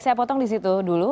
saya potong disitu dulu